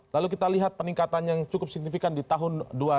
lalu kita lihat peningkatan yang cukup signifikan di tahun dua ribu dua puluh